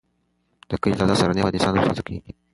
د کلي تازه او سهارنۍ هوا د انسان روح تازه کوي.